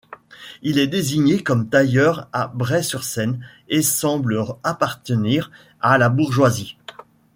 Il est désigné comme tailleur à Bray-sur-Seine et semble appartenir à la bourgeoisie.